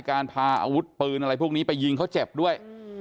การพาอาวุธปืนอะไรพวกนี้ไปยิงเขาเจ็บด้วย